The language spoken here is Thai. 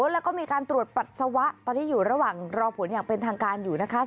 แล้วก็มีการตรวจปัสสาวะตอนนี้อยู่ระหว่างรอผลอย่างเป็นทางการอยู่นะคะ